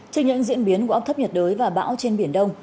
chứng nhận diễn biến của áp thấp nhiệt đới và bão trên biển đông